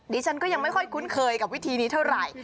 ดิฉันก็ยังไม่ค่อยคุ้นเคยกับวิธีนี้เท่าไหร่